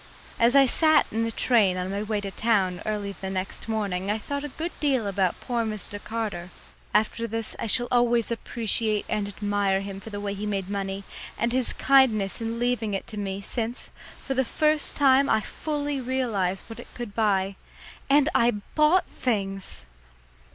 As I sat in the train on my way to town early the next morning I thought a good deal about poor Mr. Carter. After this I shall always appreciate and admire him for the way he made money, and his kindness in leaving it to me, since, for the first time in my life, I fully realised what it could buy. And I bought things!